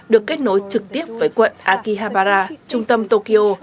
được kết nối trực tiếp với quận akihabara trung tâm tokyo